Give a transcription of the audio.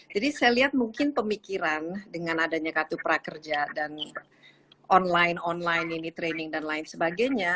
jadi saya lihat mungkin pemikiran dengan adanya k dua prakerja dan online online ini training dan lain sebagainya